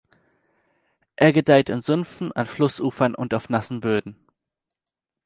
Er gedeiht in Sümpfen, an Flussufern und auf nassen Böden.